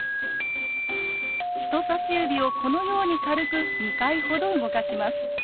人さし指をこのように軽く２回ほど動かします。